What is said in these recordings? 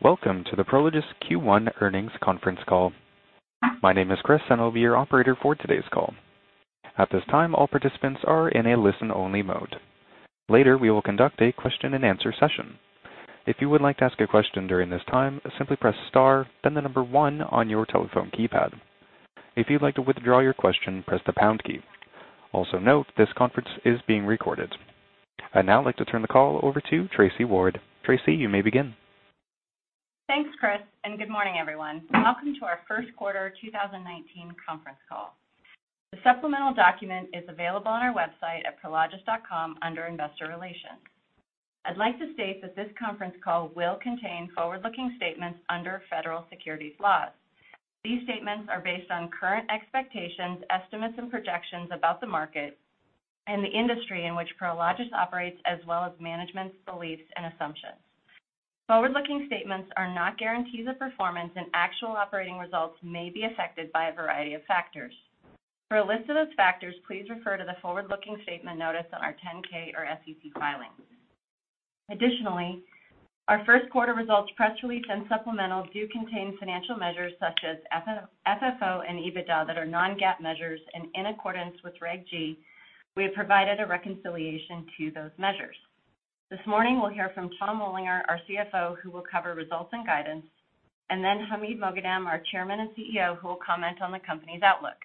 Welcome to the Prologis Q1 Earnings Conference Call. My name is Chris, and I'll be your operator for today's call. At this time, all participants are in a listen-only mode. Later, we will conduct a question-and-answer session. If you would like to ask a question during this time, simply press star, then 1 on your telephone keypad. If you'd like to withdraw your question, press the pound key. Also note, this conference is being recorded. I'd now like to turn the call over to Tracy Ward. Tracy, you may begin. Thanks, Chris, and good morning, everyone. Welcome to our first quarter 2019 conference call. The supplemental document is available on our website at prologis.com under Investor Relations. I'd like to state that this conference call will contain forward-looking statements under federal securities laws. These statements are based on current expectations, estimates, and projections about the market and the industry in which Prologis operates, as well as management's beliefs and assumptions. Forward-looking statements are not guarantees of performance, and actual operating results may be affected by a variety of factors. For a list of those factors, please refer to the forward-looking statement notice on our 10-K or SEC filings. Additionally, our first quarter results, press release, and supplemental do contain financial measures such as FFO and EBITDA that are non-GAAP measures. In accordance with Regulation G, we have provided a reconciliation to those measures. This morning we'll hear from Tom Olinger, our CFO, who will cover results and guidance, and then Hamid Moghadam, our Chairman and CEO, who will comment on the company's outlook.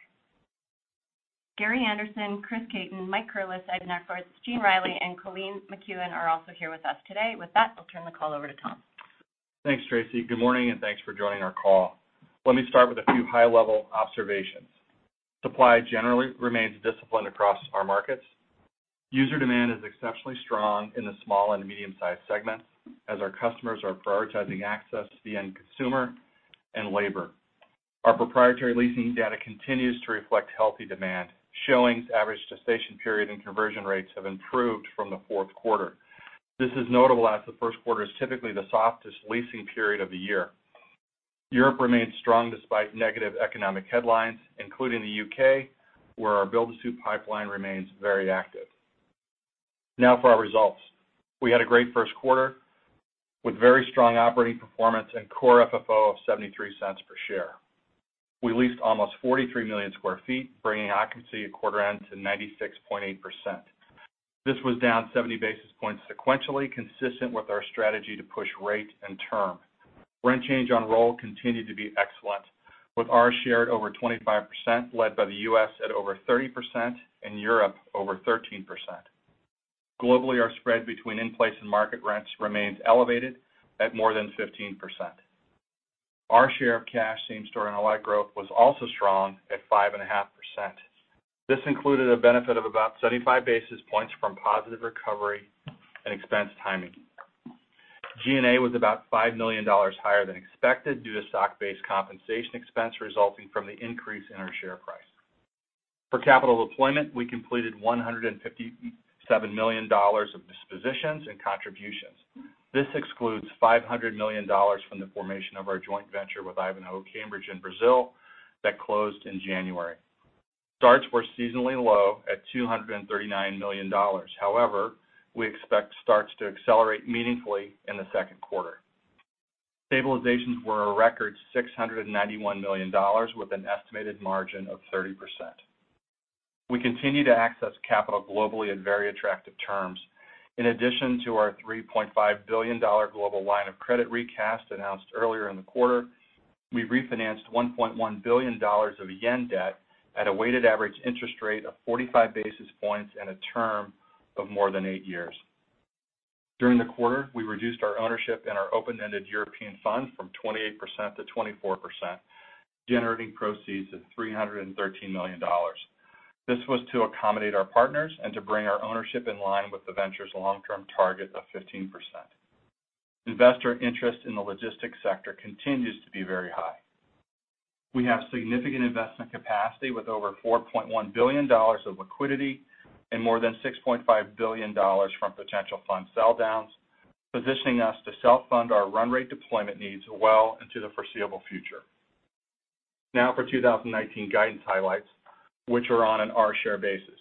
Gary Anderson, Chris Caton, Mike Curless, Ed Nekritz, Gene Reilly, and Colleen McEwen are also here with us today. With that, I'll turn the call over to Tom. Thanks, Tracy. Good morning, and thanks for joining our call. Let me start with a few high-level observations. Supply generally remains disciplined across our markets. User demand is exceptionally strong in the small and medium-sized segments as our customers are prioritizing access to the end consumer and labor. Our proprietary leasing data continues to reflect healthy demand. Showings, average gestation period, and conversion rates have improved from the fourth quarter. This is notable as the first quarter is typically the softest leasing period of the year. Europe remains strong despite negative economic headlines, including the U.K., where our build-to-suit pipeline remains very active. Now for our results. We had a great first quarter with very strong operating performance and Core FFO of $0.73 per share. We leased almost 43 million sq ft, bringing occupancy at quarter end to 96.8%. This was down 70 basis points sequentially, consistent with our strategy to push rate and term. Rent change on roll continued to be excellent, with our share over 25%, led by the U.S. at over 30% and Europe over 13%. Globally, our spread between in-place and market rents remains elevated at more than 15%. Our share of cash same-store NOI growth was also strong at 5.5%. This included a benefit of about 75 basis points from positive recovery and expense timing. G&A was about $5 million higher than expected due to stock-based compensation expense resulting from the increase in our share price. For capital deployment, we completed $157 million of dispositions and contributions. This excludes $500 million from the formation of our joint venture with Ivanhoé Cambridge in Brazil that closed in January. Starts were seasonally low at $239 million. We expect starts to accelerate meaningfully in the second quarter. Stabilizations were a record $691 million, with an estimated margin of 30%. We continue to access capital globally at very attractive terms. In addition to our $3.5 billion global line of credit recast announced earlier in the quarter, we refinanced 1.1 billion of yen debt at a weighted average interest rate of 45 basis points and a term of more than eight years. During the quarter, we reduced our ownership in our open-ended European fund from 28% to 24%, generating proceeds of $313 million. This was to accommodate our partners and to bring our ownership in line with the venture's long-term target of 15%. Investor interest in the logistics sector continues to be very high. We have significant investment capacity with over $4.1 billion of liquidity and more than $6.5 billion from potential fund sell downs, positioning us to self-fund our run rate deployment needs well into the foreseeable future. For 2019 guidance highlights, which are on an our share basis.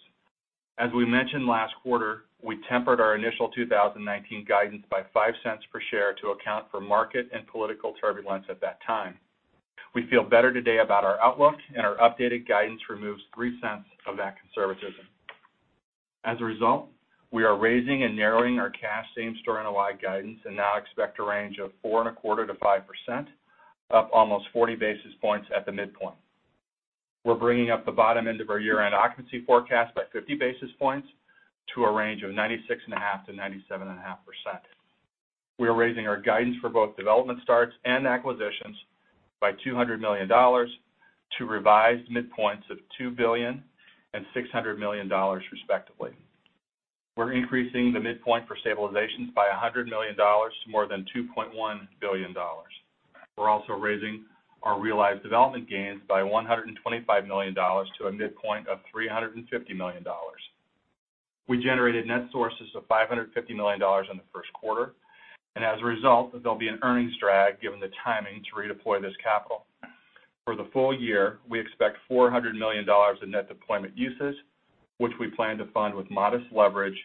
As we mentioned last quarter, we tempered our initial 2019 guidance by $0.05 per share to account for market and political turbulence at that time. We feel better today about our outlook, and our updated guidance removes $0.03 of that conservatism. We are raising and narrowing our cash same-store NOI guidance and now expect a range of 4.25% to 5%, up almost 40 basis points at the midpoint. We're bringing up the bottom end of our year-end occupancy forecast by 50 basis points to a range of 96.5%-97.5%. We are raising our guidance for both development starts and acquisitions by $200 million to revised midpoints of $2 billion and $600 million respectively. We're increasing the midpoint for stabilizations by $100 million to more than $2.1 billion. We're also raising our realized development gains by $125 million to a midpoint of $350 million. We generated net sources of $550 million in the first quarter, as a result, there'll be an earnings drag given the timing to redeploy this capital. For the full year, we expect $400 million in net deployment uses, which we plan to fund with modest leverage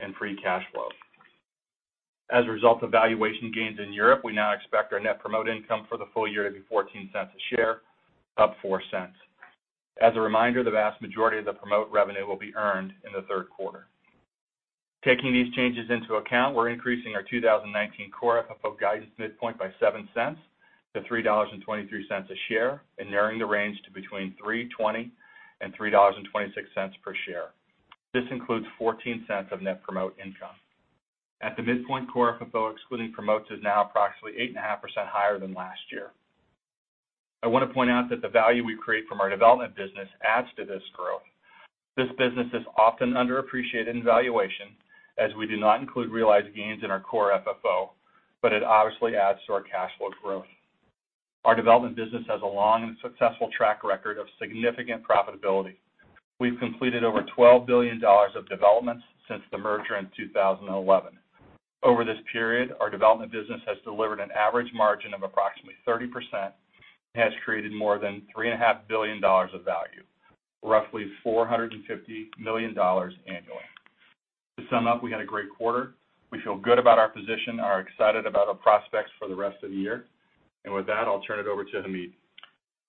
and free cash flow. As a result of valuation gains in Europe, we now expect our net promote income for the full year to be $0.14 a share, up $0.04. As a reminder, the vast majority of the promote revenue will be earned in the third quarter. Taking these changes into account, we're increasing our 2019 Core FFO guidance midpoint by $0.07 to $3.23 a share and narrowing the range to between $3.20 and $3.26 per share. This includes $0.14 of net promote income. At the midpoint Core FFO excluding promotes is now approximately 8.5% higher than last year. I want to point out that the value we create from our development business adds to this growth. This business is often underappreciated in valuation, as we do not include realized gains in our Core FFO, but it obviously adds to our cash flow growth. Our development business has a long and successful track record of significant profitability. We've completed over $12 billion of developments since the merger in 2011. Over this period, our development business has delivered an average margin of approximately 30% and has created more than $3.5 billion of value, roughly $450 million annually. To sum up, we had a great quarter. We feel good about our position and are excited about our prospects for the rest of the year. With that, I'll turn it over to Hamid.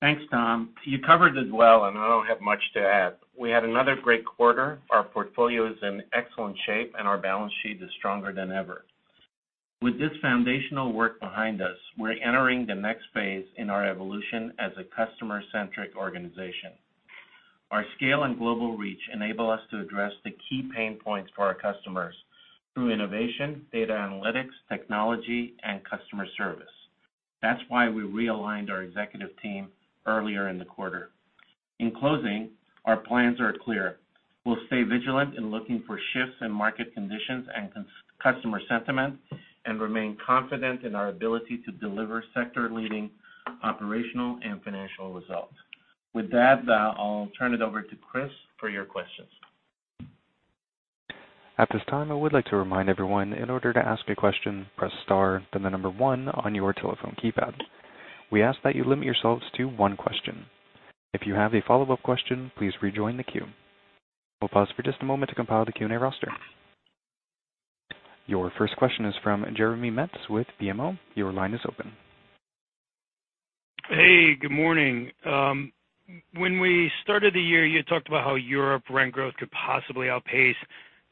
Thanks, Tom. You covered it well, and I don't have much to add. We had another great quarter. Our portfolio is in excellent shape, and our balance sheet is stronger than ever. With this foundational work behind us, we're entering the next phase in our evolution as a customer-centric organization. Our scale and global reach enable us to address the key pain points for our customers through innovation, data analytics, technology, and customer service. That's why we realigned our executive team earlier in the quarter. In closing, our plans are clear. We'll stay vigilant in looking for shifts in market conditions and customer sentiment and remain confident in our ability to deliver sector-leading operational and financial results. With that, I'll turn it over to Chris for your questions. At this time, I would like to remind everyone, in order to ask a question, press star, then the number 1 on your telephone keypad. We ask that you limit yourselves to one question. If you have a follow-up question, please rejoin the queue. We'll pause for just a moment to compile the Q&A roster. Your first question is from Jeremy Metz with BMO. Your line is open. Hey, good morning. When we started the year, you had talked about how Europe rent growth could possibly outpace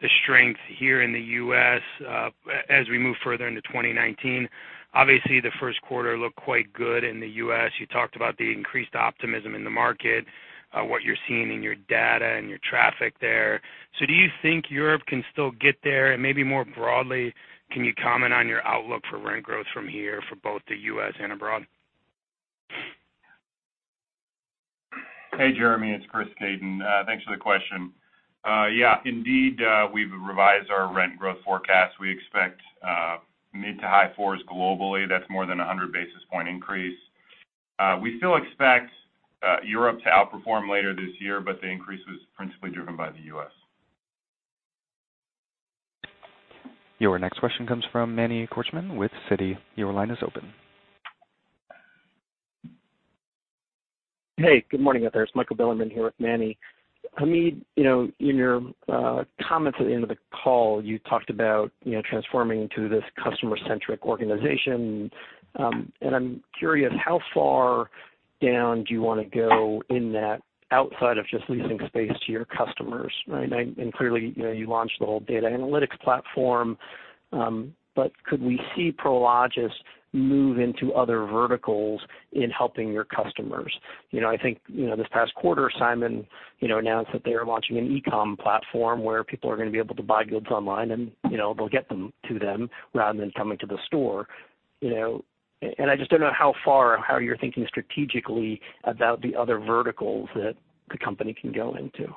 the strength here in the U.S. as we move further into 2019. Obviously, the first quarter looked quite good in the U.S. You talked about the increased optimism in the market, what you're seeing in your data and your traffic there. Do you think Europe can still get there? Maybe more broadly, can you comment on your outlook for rent growth from here for both the U.S. and abroad? Hey, Jeremy, it's Chris Caton. Thanks for the question. Yeah, indeed, we've revised our rent growth forecast. We expect mid to high fours globally. That's more than a 100 basis point increase. We still expect Europe to outperform later this year, the increase was principally driven by the U.S. Your next question comes from Manny Korchman with Citi. Your line is open. Hey, good morning, out there. It's Michael Bilerman here with Manny. Hamid, in your comments at the end of the call, you talked about transforming to this customer-centric organization. I'm curious how far down do you want to go in that outside of just leasing space to your customers, right? Clearly, you launched the whole data analytics platform. Could we see Prologis move into other verticals in helping your customers? I think this past quarter, Simon announced that they are launching an e-com platform where people are going to be able to buy goods online, and they'll get them to them rather than coming to the store. I just don't know how far, how you're thinking strategically about the other verticals that the company can go into.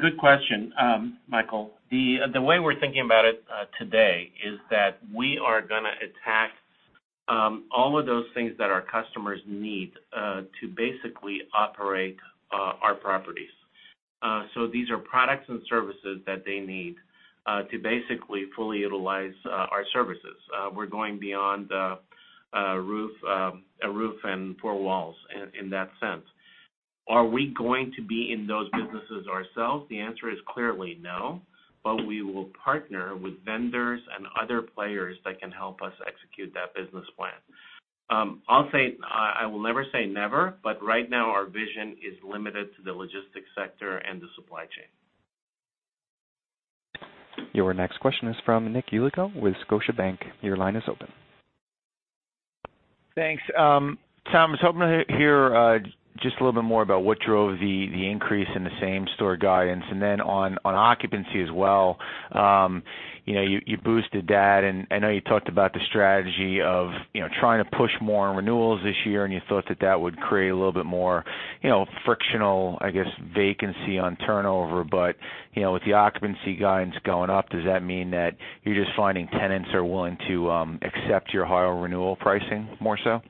Good question, Michael. The way we're thinking about it today is that we are going to attack all of those things that our customers need to basically operate our properties. These are products and services that they need to basically fully utilize our services. We're going beyond a roof and four walls in that sense. Are we going to be in those businesses ourselves? The answer is clearly no, but we will partner with vendors and other players that can help us execute that business plan. I'll say I will never say never, but right now our vision is limited to the logistics sector and the supply chain. Your next question is from Nick Yulico with Scotiabank. Your line is open. Thanks. Tom, I was hoping to hear just a little bit more about what drove the increase in the same-store guidance and then on occupancy as well. You boosted that, and I know you talked about the strategy of trying to push more on renewals this year, and you thought that that would create a little bit more frictional, I guess, vacancy on turnover. With the occupancy guidance going up, does that mean that you're just finding tenants are willing to accept your higher renewal pricing more so?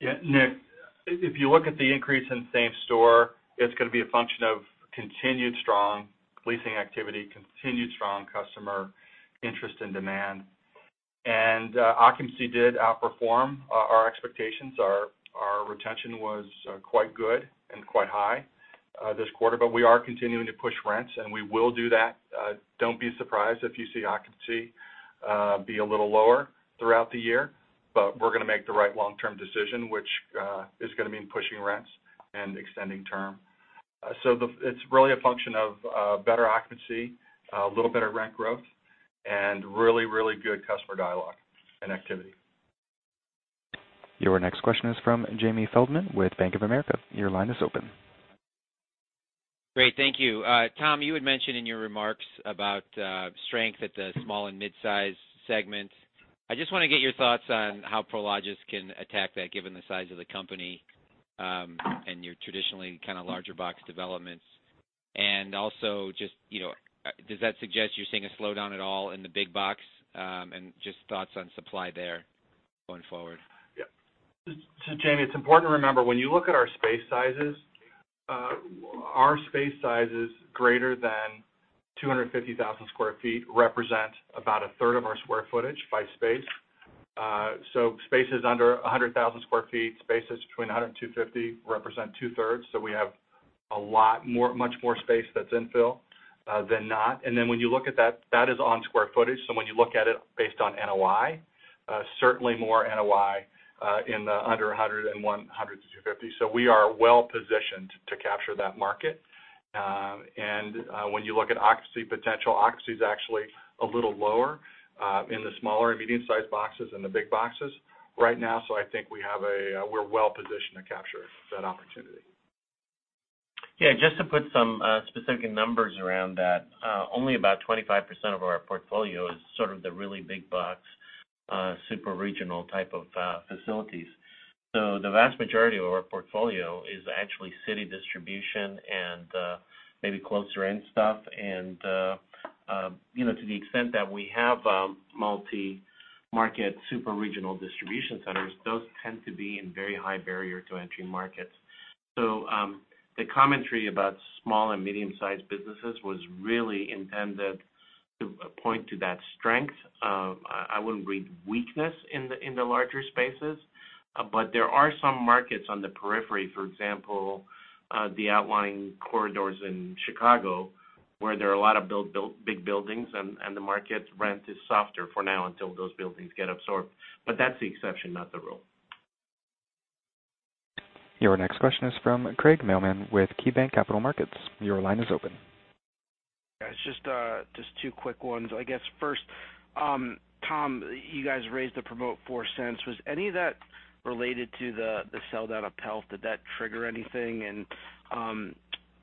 Yeah, Nick, if you look at the increase in same-store, it's going to be a function of continued strong leasing activity, continued strong customer interest and demand. Occupancy did outperform our expectations. Our retention was quite good and quite high this quarter. We are continuing to push rents, and we will do that. Don't be surprised if you see occupancy be a little lower throughout the year, but we're going to make the right long-term decision, which is going to mean pushing rents and extending term. It's really a function of better occupancy, a little better rent growth, and really, really good customer dialogue and activity. Your next question is from Jamie Feldman with Bank of America. Your line is open. Great. Thank you. Tom, you had mentioned in your remarks about strength at the small and mid-size segment. I just want to get your thoughts on how Prologis can attack that given the size of the company, and your traditionally kind of larger box developments. Also, does that suggest you're seeing a slowdown at all in the big box? Just thoughts on supply there going forward. Jamie, it's important to remember, when you look at our space sizes, our space sizes greater than 250,000 sq ft represent about a third of our square footage by space. Spaces under 100,000 sq ft, spaces between 100 and 250 represent two-thirds. We have much more space that's infill than not. When you look at that is on square footage. When you look at it based on NOI, certainly more NOI in the under 100 and 100 to 250. I think we're well-positioned to capture that market. When you look at occupancy potential, occupancy is actually a little lower in the smaller and medium-sized boxes than the big boxes right now. I think we're well positioned to capture that opportunity. Just to put some specific numbers around that. Only about 25% of our portfolio is sort of the really big box, super regional type of facilities. The vast majority of our portfolio is actually city distribution and maybe closer in stuff. To the extent that we have multi-market super regional distribution centers, those tend to be in very high barrier to entry markets. The commentary about small and medium-sized businesses was really intended to point to that strength. I wouldn't read weakness in the larger spaces. There are some markets on the periphery, for example, the outlying corridors in Chicago, where there are a lot of big buildings and the market rent is softer for now until those buildings get absorbed. That's the exception, not the rule. Your next question is from Craig Mailman with KeyBanc Capital Markets. Your line is open. Yeah, it's just two quick ones. I guess first, Tom, you guys raised the promote $0.04. Was any of that related to the sell down of PELF? Did that trigger anything?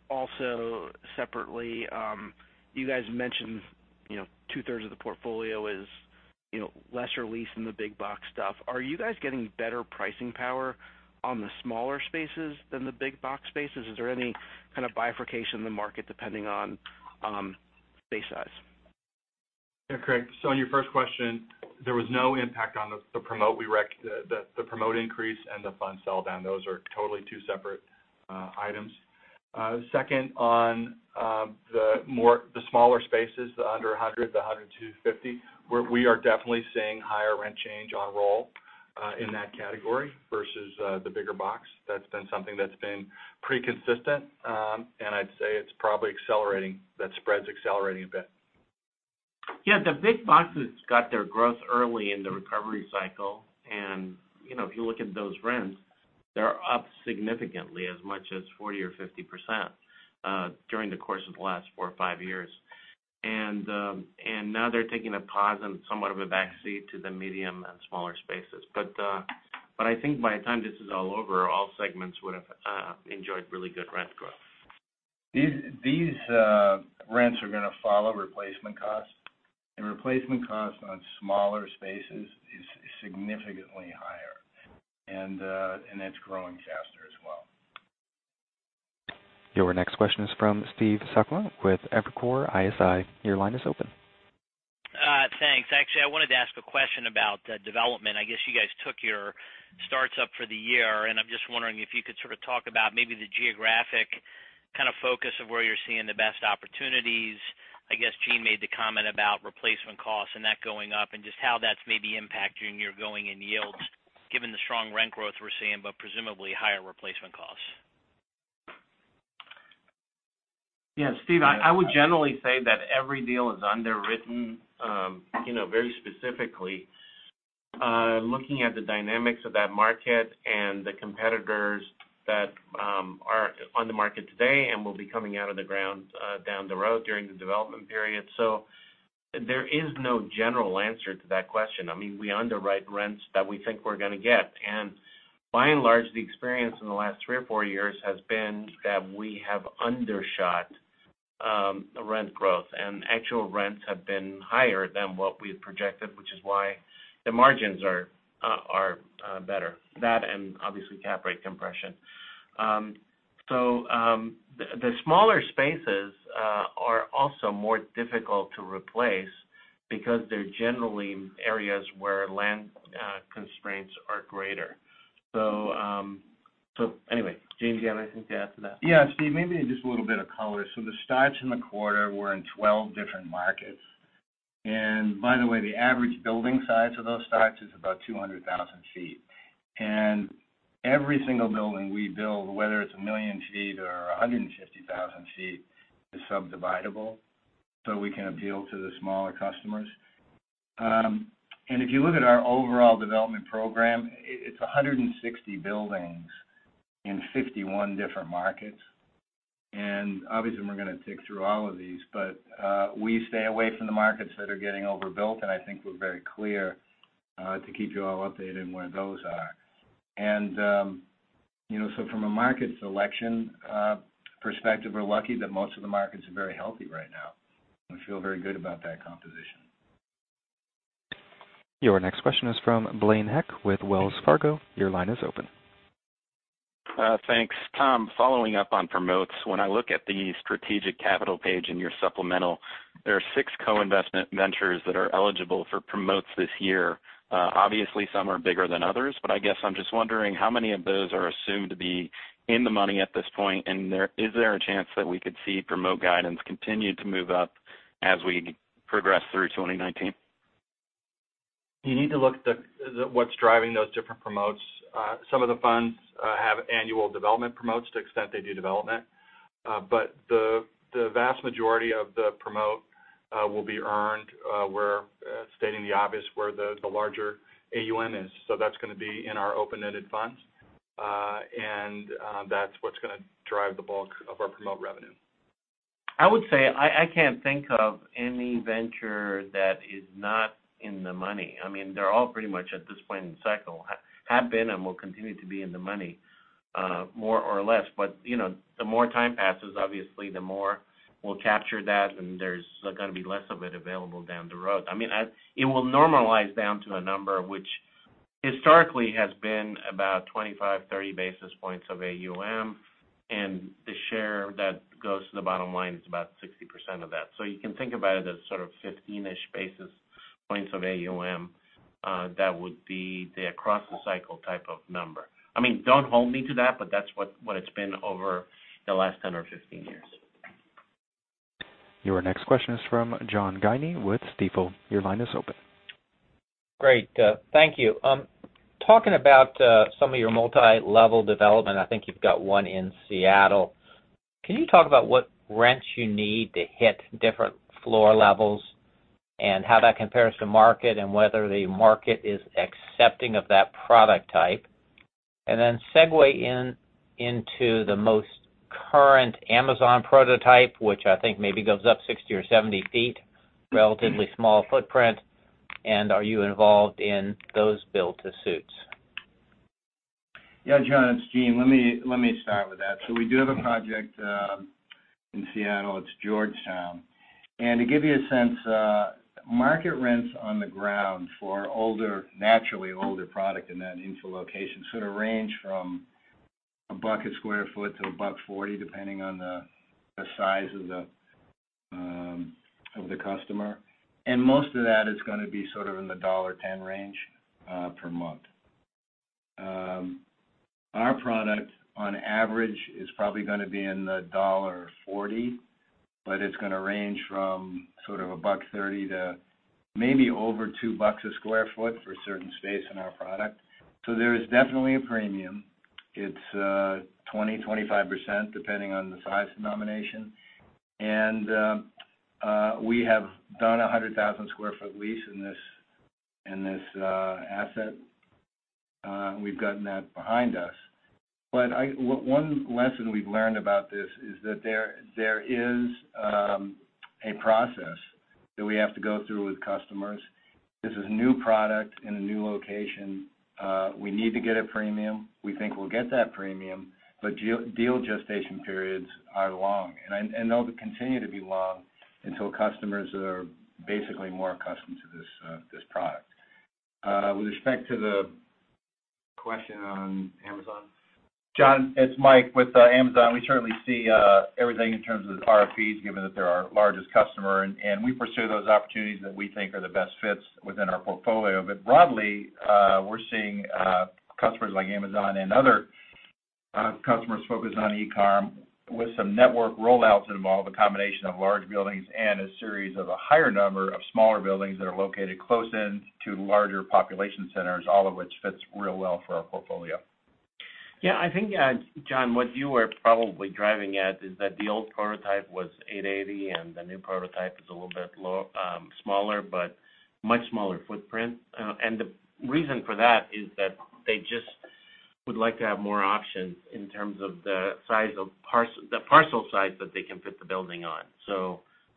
Also separately, you guys mentioned two-thirds of the portfolio is lesser leased than the big box stuff. Are you guys getting better pricing power on the smaller spaces than the big box spaces? Is there any kind of bifurcation in the market depending on space size? Yeah, Craig. On your first question, there was no impact on the promote increase and the fund sell down. Those are totally two separate items. Second, on the smaller spaces, the under 100, the 100 to 250, we are definitely seeing higher rent change on roll, in that category versus the bigger box. That's been something that's been pretty consistent. I'd say it's probably accelerating. That spread's accelerating a bit. Yeah. The big boxes got their growth early in the recovery cycle. If you look at those rents, they're up significantly, as much as 40% or 50% during the course of the last four or five years. Now they're taking a pause and somewhat of a back seat to the medium and smaller spaces. I think by the time this is all over, all segments would have enjoyed really good rent growth. These rents are going to follow replacement costs. Replacement costs on smaller spaces is significantly higher, and it's growing faster as well. Your next question is from Steve Sakwa with Evercore ISI. Your line is open. Thanks. Actually, I wanted to ask a question about development. I guess you guys took your starts up for the year. I'm just wondering if you could sort of talk about maybe the geographic kind of focus of where you're seeing the best opportunities. I guess Gene made the comment about replacement costs and that going up. Just how that's maybe impacting your going-in yields, given the strong rent growth we're seeing, but presumably higher replacement costs. Yeah, Steve, I would generally say that every deal is underwritten very specifically, looking at the dynamics of that market and the competitors that are on the market today and will be coming out of the ground down the road during the development period. There is no general answer to that question. I mean, we underwrite rents that we think we're going to get. By and large, the experience in the last three or four years has been that we have undershot rent growth, and actual rents have been higher than what we had projected, which is why the margins are better. That and obviously cap rate compression. The smaller spaces are also more difficult to replace because they're generally areas where land constraints are greater. Anyway, Gene, do you have anything to add to that? Yeah, Steve, maybe just a little bit of color. The starts in the quarter were in 12 different markets. By the way, the average building size of those starts is about 200,000 feet. Every single building we build, whether it's 1 million feet or 150,000 feet, is sub-dividable, so we can appeal to the smaller customers. If you look at our overall development program, it's 160 buildings in 51 different markets. Obviously, we're going to tick through all of these, but we stay away from the markets that are getting overbuilt, and I think we're very clear, to keep you all updated on where those are. From a market selection perspective, we're lucky that most of the markets are very healthy right now. We feel very good about that composition. Your next question is from Blaine Heck with Wells Fargo. Your line is open. Thanks. Tom, following up on promotes. When I look at the strategic capital page in your supplemental, there are six co-investment ventures that are eligible for promotes this year. Obviously, some are bigger than others. I guess I'm just wondering how many of those are assumed to be in the money at this point, and is there a chance that we could see promote guidance continue to move up as we progress through 2019? You need to look at what's driving those different promotes. Some of the funds have annual development promotes to the extent they do development. The vast majority of the promote will be earned, we're stating the obvious, where the larger AUM is. That's going to be in our open-ended funds. That's what's going to drive the bulk of our promote revenue. I would say, I can't think of any venture that is not in the money. They're all pretty much, at this point in the cycle, have been and will continue to be in the money, more or less. The more time passes, obviously, the more we'll capture that, and there's going to be less of it available down the road. It will normalize down to a number which historically has been about 25, 30 basis points of AUM, and the share that goes to the bottom line is about 60% of that. You can think about it as sort of 15-ish basis points of AUM. That would be the across-the-cycle type of number. Don't hold me to that, but that's what it's been over the last 10 or 15 years. Your next question is from John Guinee with Stifel. Your line is open. Great. Thank you. Talking about some of your multi-level development, I think you've got one in Seattle. Can you talk about what rents you need to hit different floor levels and how that compares to market and whether the market is accepting of that product type? Then segue into the most current Amazon prototype, which I think maybe goes up 60 or 70 feet, relatively small footprint, and are you involved in those build-to-suits? Yeah, John, it's Gene. Let me start with that. We do have a project in Seattle. It's Georgetown. To give you a sense, market rents on the ground for naturally older product in that infill location sort of range from a buck a square foot to a buck 40, depending on the size of the customer. Most of that is going to be sort of in the $1.10 range per month. Our product, on average, is probably going to be in the $1.40, but it's going to range from sort of a buck 30 to maybe over two bucks a square foot for certain space in our product. There is definitely a premium. It's 20, 25%, depending on the size denomination. We have done a 100,000-square-foot lease in this asset. We've gotten that behind us. One lesson we've learned about this is that there is a process that we have to go through with customers. This is a new product in a new location. We need to get a premium. We think we'll get that premium. Deal gestation periods are long, and they'll continue to be long until customers are basically more accustomed to this product. With respect to the question on Amazon. John, it's Mike. With Amazon, we certainly see everything in terms of RFPs, given that they're our largest customer, and we pursue those opportunities that we think are the best fits within our portfolio. Broadly, we're seeing customers like Amazon and other customers focused on e-comm with some network rollouts involved, a combination of large buildings and a series of a higher number of smaller buildings that are located close in to larger population centers, all of which fits real well for our portfolio. Yeah, I think, John, what you are probably driving at is that the old prototype was 880 and the new prototype is a little bit smaller, but much smaller footprint. The reason for that is that they just would like to have more options in terms of the parcel size that they can fit the building on.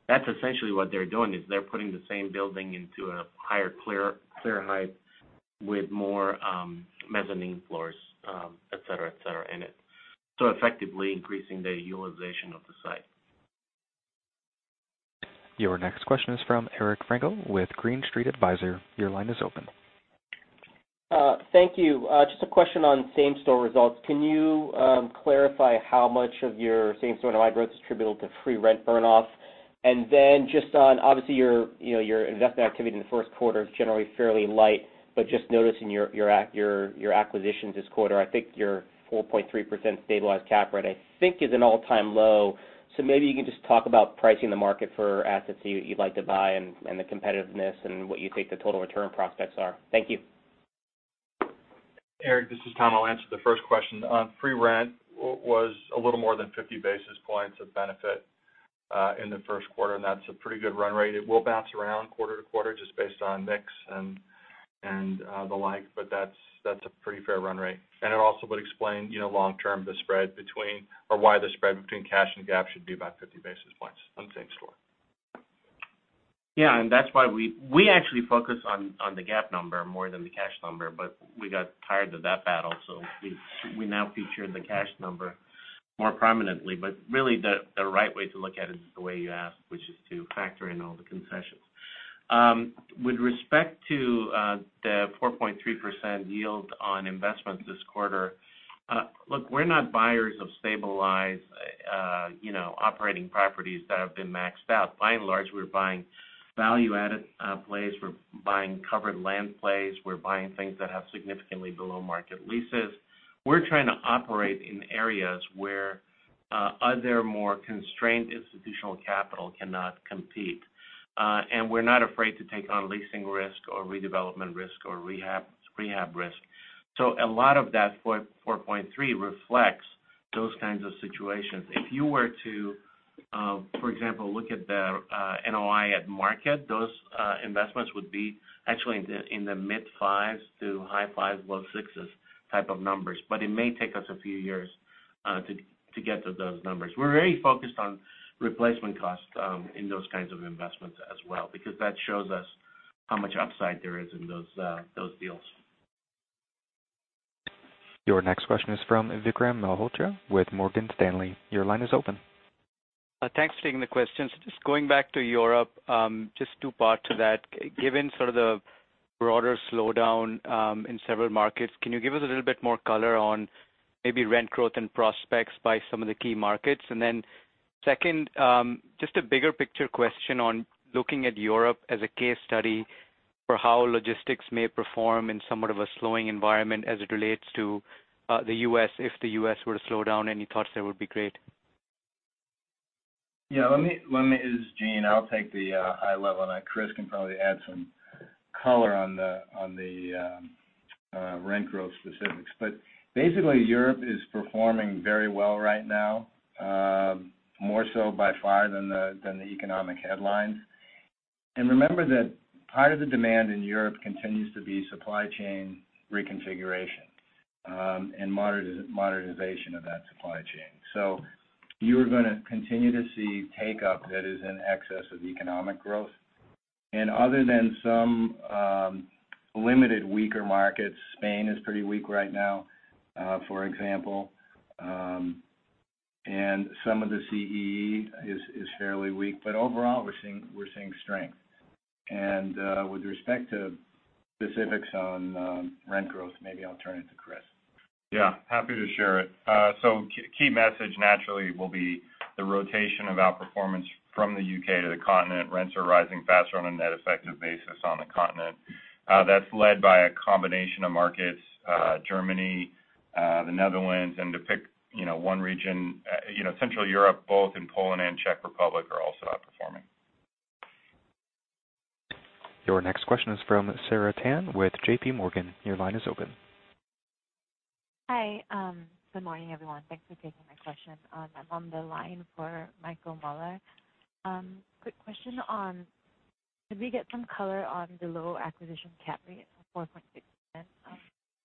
That's essentially what they're doing, is they're putting the same building into a higher clear height with more mezzanine floors, et cetera. Effectively increasing the utilization of the site. Your next question is from Eric Frankel with Green Street Advisors. Your line is open. Thank you. Just a question on same-store results. Can you clarify how much of your same-store NOI growth is attributable to free rent burn-off? Just noticing your acquisitions this quarter, I think your 4.3% stabilized cap rate, I think is an all-time low. Maybe you can just talk about pricing the market for assets that you'd like to buy and the competitiveness and what you think the total return prospects are. Thank you. Eric, this is Tom. I'll answer the first question. Free rent was a little more than 50 basis points of benefit in the first quarter, and that's a pretty good run rate. It will bounce around quarter to quarter just based on mix and the like, but that's a pretty fair run rate. It also would explain long-term the spread between, or why the spread between cash and GAAP should be about 50 basis points on same store. That's why we actually focus on the GAAP number more than the cash number, but we got tired of that battle, so we now feature the cash number more prominently. Really the right way to look at it is the way you asked, which is to factor in all the concessions. With respect to the 4.3% yield on investments this quarter. Look, we're not buyers of stabilized operating properties that have been maxed out. By and large, we're buying value-added plays, we're buying covered land plays, we're buying things that have significantly below-market leases. We're trying to operate in areas where other more constrained institutional capital cannot compete. We're not afraid to take on leasing risk or redevelopment risk or rehab risk. A lot of that 4.3 reflects those kinds of situations. If you were to, for example, look at the NOI at market, those investments would be actually in the mid-fives to high fives, low sixes type of numbers, but it may take us a few years to get to those numbers. We're very focused on replacement costs in those kinds of investments as well because that shows us how much upside there is in those deals. Your next question is from Vikram Malhotra with Morgan Stanley. Your line is open. Thanks for taking the questions. Just going back to Europe, just two parts to that. Given sort of the broader slowdown in several markets, can you give us a little bit more color on maybe rent growth and prospects by some of the key markets? Second, just a bigger picture question on looking at Europe as a case study for how logistics may perform in somewhat of a slowing environment as it relates to the U.S., if the U.S. were to slow down. Any thoughts there would be great. Yeah. This is Gene. I'll take the high level, Chris can probably add some color on the rent growth specifics. Basically, Europe is performing very well right now, more so by far than the economic headlines. Remember that part of the demand in Europe continues to be supply chain reconfiguration and modernization of that supply chain. You are going to continue to see take-up that is in excess of economic growth. Other than some limited weaker markets, Spain is pretty weak right now for example, and some of the CEE is fairly weak. Overall, we're seeing strength. With respect to specifics on rent growth, maybe I'll turn it to Chris. Yeah, happy to share it. Key message naturally will be the rotation of outperformance from the U.K. to the continent. Rents are rising faster on a net effective basis on the continent. That's led by a combination of markets, Germany, the Netherlands, and to pick one region, Central Europe, both in Poland and Czech Republic are also outperforming. Your next question is from Sarah Tan with J.P. Morgan. Your line is open. Hi. Good morning, everyone. Thanks for taking my question. I'm on the line for Michael Mueller. Quick question on, could we get some color on the low acquisition cap rate of 4.6%?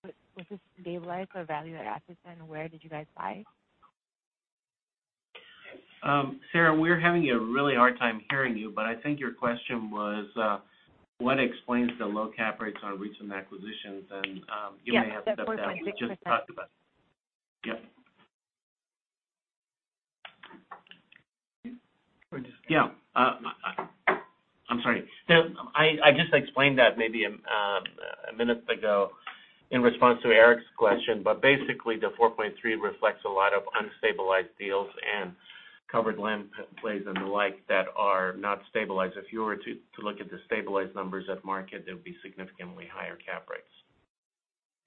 Was this stabilized or value-add assets, and where did you guys buy? Sarah, we're having a really hard time hearing you, but I think your question was, what explains the low cap rates on recent acquisitions, and you may have to step that up. Yes, that's what I meant. We just talked about it. Yep. Or just- Yeah. I'm sorry. I just explained that maybe a minute ago in response to Eric's question. Basically, the 4.3 reflects a lot of unstabilized deals and covered land plays and the like that are not stabilized. If you were to look at the stabilized numbers at market, they would be significantly higher cap rates.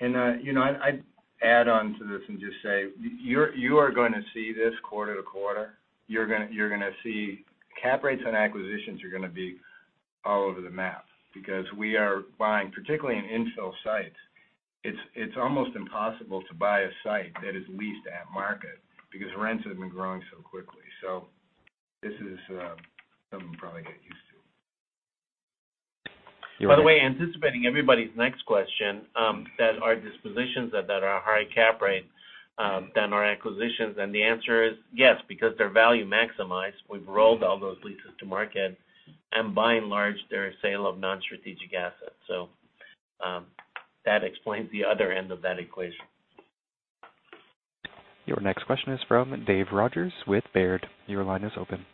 I'd add on to this and just say, you are going to see this quarter-to-quarter. You're going to see cap rates on acquisitions are going to be all over the map because we are buying, particularly in infill sites. It's almost impossible to buy a site that is leased at market because rents have been growing so quickly. This is something to probably get used to. By the way, anticipating everybody's next question, that our dispositions are at a higher cap rate than our acquisitions. The answer is yes, because they're value maximized. We've rolled all those leases to market, and by and large, they're a sale of non-strategic assets. That explains the other end of that equation. Your next question is from Dave Rogers with Baird. Your line is open.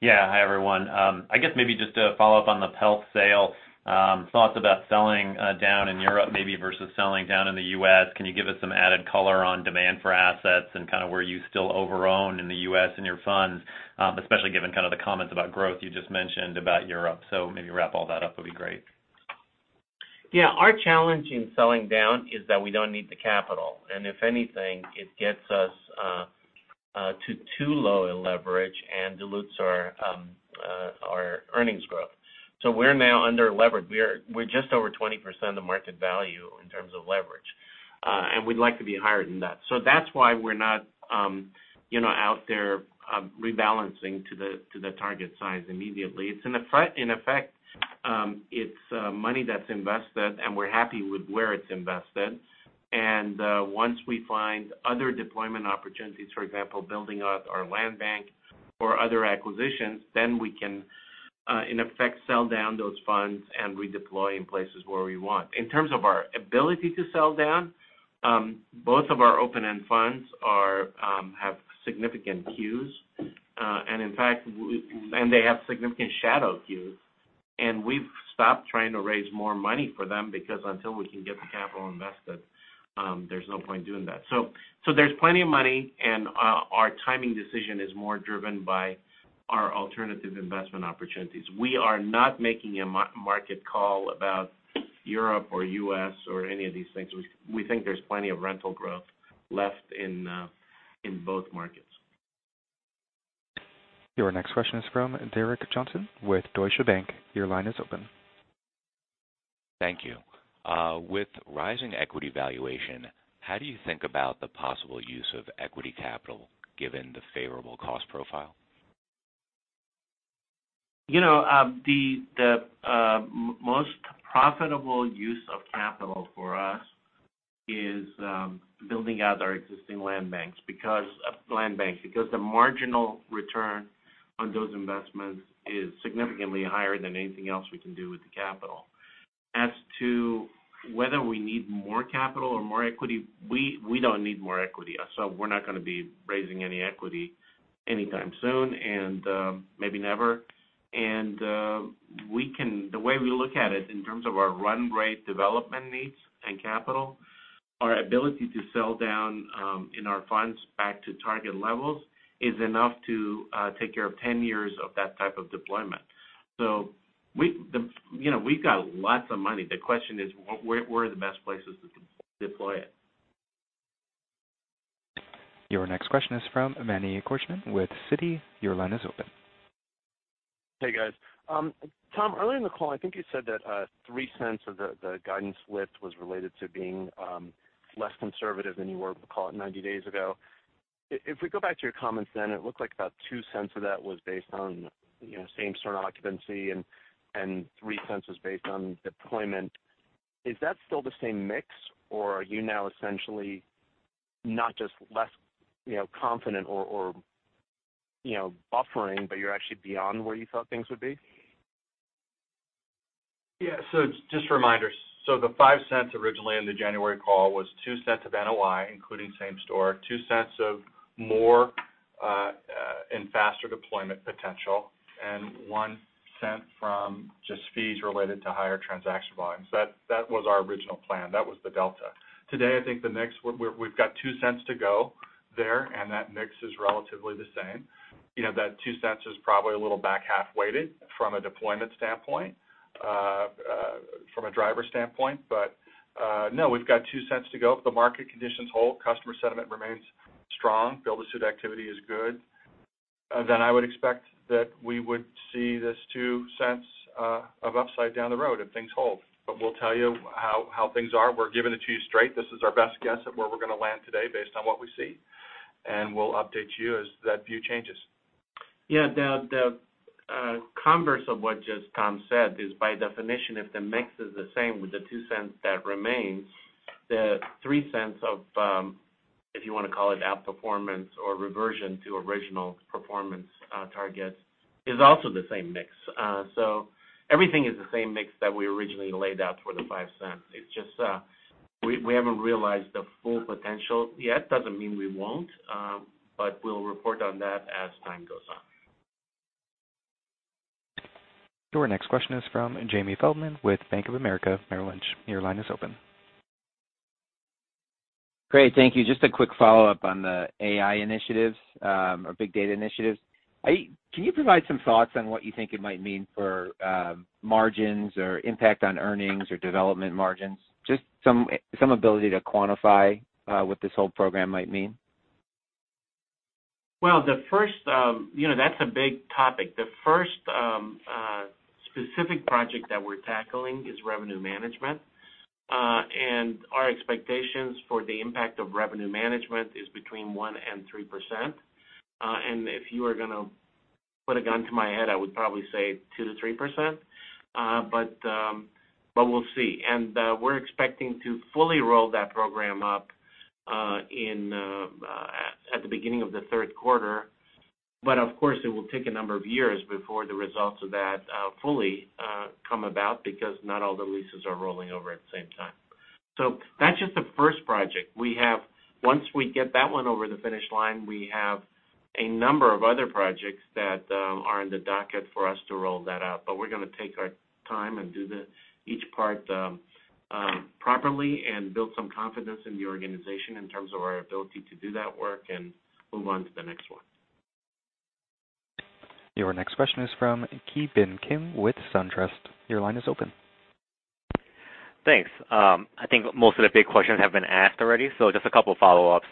Yeah. Hi, everyone. I guess maybe just a follow-up on the PELF sale. Thoughts about selling down in Europe maybe versus selling down in the U.S. Can you give us some added color on demand for assets and kind of where you still overown in the U.S. in your funds? Especially given kind of the comments about growth you just mentioned about Europe. Maybe wrap all that up would be great. Yeah. Our challenge in selling down is that we don't need the capital, if anything, it gets us too low in leverage and dilutes our earnings growth. We're now under levered. We're just over 20% of market value in terms of leverage. We'd like to be higher than that. That's why we're not out there rebalancing to the target size immediately. In effect, it's money that's invested, and we're happy with where it's invested. Once we find other deployment opportunities, for example, building out our land bank or other acquisitions, we can, in effect, sell down those funds and redeploy in places where we want. In terms of our ability to sell down, both of our open-end funds have significant queues, and they have significant shadow queues. We've stopped trying to raise more money for them because until we can get the capital invested, there's no point in doing that. There's plenty of money, and our timing decision is more driven by our alternative investment opportunities. We are not making a market call about Europe or U.S. or any of these things. We think there's plenty of rental growth left in both markets. Your next question is from Derek Johnston with Deutsche Bank. Your line is open. Thank you. With rising equity valuation, how do you think about the possible use of equity capital given the favorable cost profile? The most profitable use of capital for us is building out our existing land banks, because the marginal return on those investments is significantly higher than anything else we can do with the capital. As to whether we need more capital or more equity, we don't need more equity. We're not going to be raising any equity anytime soon and maybe never. The way we look at it, in terms of our run rate development needs and capital, our ability to sell down in our funds back to target levels is enough to take care of 10 years of that type of deployment. We've got lots of money. The question is where are the best places to deploy it? Your next question is from Manny Korchman with Citi. Your line is open. Hey, guys. Tom, earlier in the call, I think you said that $0.03 of the guidance lift was related to being less conservative than you were, call it 90 days ago. If we go back to your comments then, it looked like about $0.02 of that was based on same-store occupancy and $0.03 was based on deployment. Is that still the same mix, or are you now essentially not just less confident or buffering, but you're actually beyond where you thought things would be? Yeah. Just a reminder. The $0.05 originally in the January call was $0.02 of NOI, including same-store, $0.02 of more and faster deployment potential, and $0.01 from just fees related to higher transaction volumes. That was our original plan. That was the delta. Today, I think the mix, we've got $0.02 to go there, and that mix is relatively the same. That $0.02 is probably a little back half weighted from a deployment standpoint, from a driver standpoint. No, we've got $0.02 to go. If the market conditions hold, customer sentiment remains strong, build-to-suit activity is good, I would expect that we would see this $0.02 of upside down the road if things hold. We'll tell you how things are. We're giving it to you straight. This is our best guess at where we're going to land today based on what we see, and we'll update you as that view changes. Yeah. The converse of what just Tom said is, by definition, if the mix is the same with the $0.02 that remains, the $0.03 of, if you want to call it outperformance or reversion to original performance targets, is also the same mix. Everything is the same mix that we originally laid out for the $0.05. It's just we haven't realized the full potential yet. Doesn't mean we won't. We'll report on that as time goes on. Your next question is from Jamie Feldman with Bank of America Merrill Lynch. Your line is open. Great. Thank you. Just a quick follow-up on the AI initiatives or big data initiatives. Can you provide some thoughts on what you think it might mean for margins or impact on earnings or development margins? Just some ability to quantify what this whole program might mean. Well, that's a big topic. The first specific project that we're tackling is revenue management. Our expectations for the impact of revenue management is between 1%-3%. If you were going to put a gun to my head, I would probably say 2%-3%. We'll see. We're expecting to fully roll that program up at the beginning of the third quarter. Of course, it will take a number of years before the results of that fully come about, because not all the leases are rolling over at the same time. That's just the first project. Once we get that one over the finish line, we have a number of other projects that are on the docket for us to roll that out. We're going to take our time and do each part properly and build some confidence in the organization in terms of our ability to do that work and move on to the next one. Your next question is from Ki Bin Kim with SunTrust. Your line is open. Thanks. I think most of the big questions have been asked already, so just a couple of follow-ups.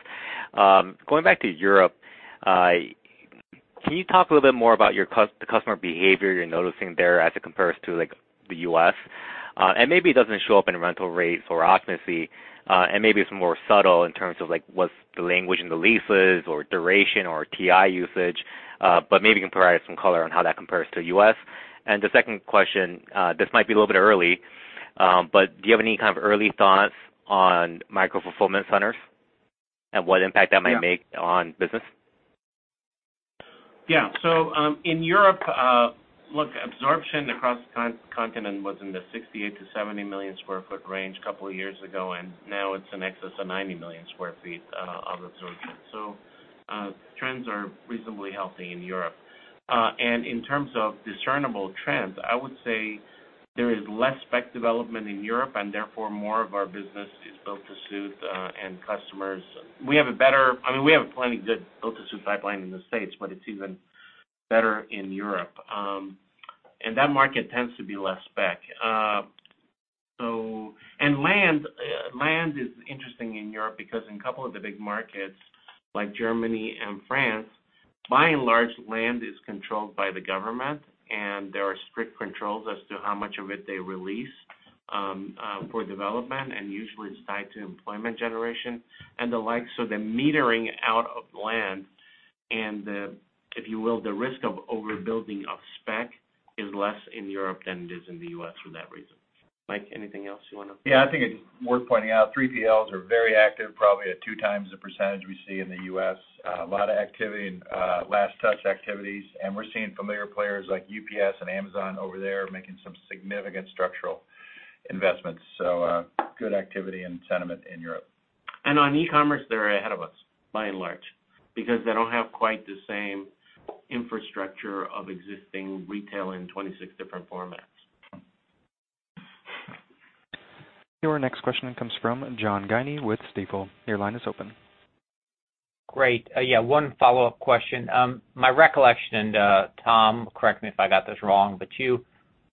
Going back to Europe, can you talk a little bit more about the customer behavior you're noticing there as it compares to the U.S.? Maybe it doesn't show up in rental rates or occupancy, and maybe it's more subtle in terms of what's the language in the leases or duration or TI usage, but maybe you can provide some color on how that compares to U.S. The second question, this might be a little bit early, but do you have any kind of early thoughts on micro-fulfillment centers and what impact that might make on business? Yeah. In Europe, look, absorption across the continent was in the 68 million square feet to 70 million square feet range a couple of years ago, and now it's in excess of 90 million square feet of absorption. Trends are reasonably healthy in Europe. In terms of discernible trends, I would say there is less spec development in Europe, and therefore more of our business is build-to-suit and customers. We have plenty good build-to-suit pipeline in the States, but it's even better in Europe. That market tends to be less spec. Land is interesting in Europe because in a couple of the big markets like Germany and France, by and large, land is controlled by the government, and there are strict controls as to how much of it they release for development, and usually it's tied to employment generation and the like. The metering out of land and, if you will, the risk of overbuilding of spec is less in Europe than it is in the U.S. for that reason. Mike, anything else you want to- Yeah, I think it's worth pointing out 3PLs are very active, probably at two times the percentage we see in the U.S. A lot of activity in Last Touch activities. We're seeing familiar players like UPS and Amazon over there making some significant structural investments. Good activity and sentiment in Europe. On e-commerce, they're ahead of us by and large, because they don't have quite the same infrastructure of existing retail in 26 different formats. Your next question comes from John Guinee with Stifel. Your line is open. Great. Yeah, one follow-up question. My recollection, and Tom, correct me if I got this wrong, but you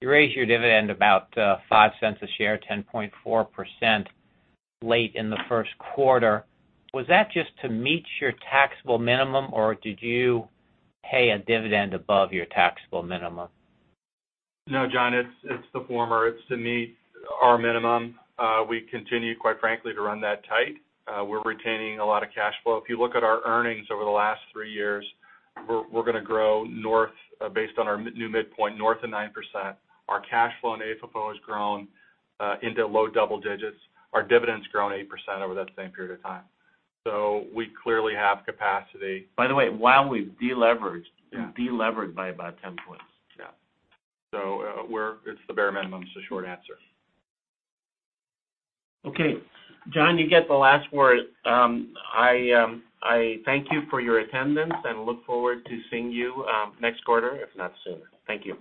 raised your dividend about $0.05 a share, 10.4% late in the first quarter. Was that just to meet your taxable minimum, or did you pay a dividend above your taxable minimum? No, John, it's the former. It's to meet our minimum. We continue, quite frankly, to run that tight. We're retaining a lot of cash flow. If you look at our earnings over the last three years, we're going to grow north based on our new midpoint, north of 9%. Our cash flow and AFFO has grown into low double digits. Our dividend's grown 8% over that same period of time. We clearly have capacity. By the way, while we've deleveraged. Yeah delevered by about 10 points. Yeah. It's the bare minimum is the short answer. Okay. John, you get the last word. I thank you for your attendance and look forward to seeing you next quarter, if not sooner. Thank you.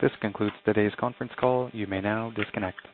This concludes today's conference call. You may now disconnect.